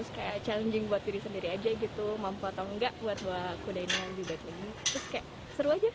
kayak challenging buat diri sendiri aja gitu mampu atau enggak buat bawa kudanya juga kayak seru aja